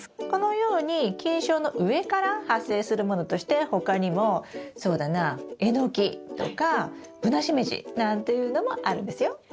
このように菌床の上から発生するものとして他にもそうだなエノキとかブナシメジなんていうのもあるんですよ。